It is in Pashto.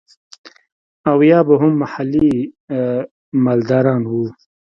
او يا به هم محلي مالداران وو.